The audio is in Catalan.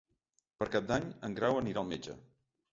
Per Cap d'Any en Grau anirà al metge.